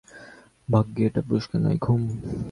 ভাগ্যে এটা পুরস্কার নয়, ঘুম।